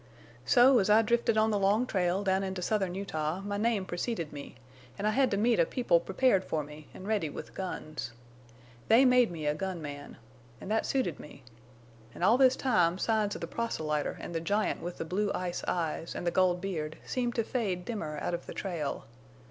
"So as I drifted on the long trail down into southern Utah my name preceded me, an' I had to meet a people prepared for me, an' ready with guns. They made me a gun man. An' that suited me. In all this time signs of the proselyter an' the giant with the blue ice eyes an' the gold beard seemed to fade dimmer out of the trail.